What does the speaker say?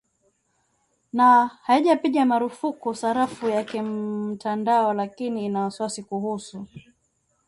na haijapiga marufuku sarafu ya kimtandao lakini ina wasiwasi kuhusu